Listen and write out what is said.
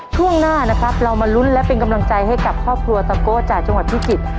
ช่วงหน้านะครับเรามาลุ้นและเป็นกำลังใจให้กับครอบครัวตะโก้จากจังหวัดพิจิตร